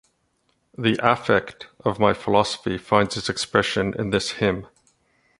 The affect of my philosophy finds its expression in this hymn.